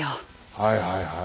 はいはいはいはい。